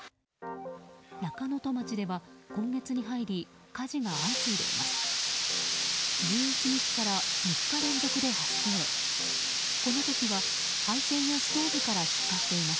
中能登町では今月に入り火事が相次いでいます。